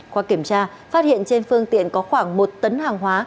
qua kiểm tra phát hiện trên phương tiện có khoảng một tấn hàng hóa